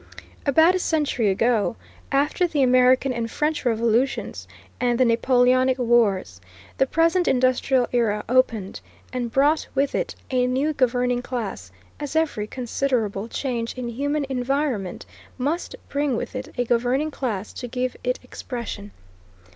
About a century ago, after, the American and French Revolutions and the Napoleonic wars, the present industrial era opened, and brought with it a new governing class, as every considerable change in human environment must bring with it a governing class to give it expression.